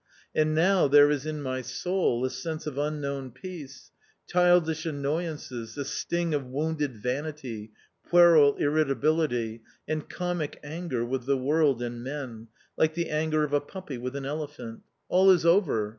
And now there is in my soul a sense of unknown peace ; childish annoyances, the sting of wounded vanity, puerile irritability, and comic anger with the world and men, like the anger of a puppy with an elephant — all is A COMMON STORY 263 over.